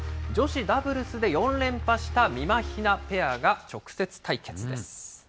女子ダブルスで４連覇したみまひなペアが直接対決です。